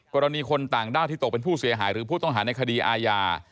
คนต่างด้าวที่ตกเป็นผู้เสียหายหรือผู้ต้องหาในคดีอาญา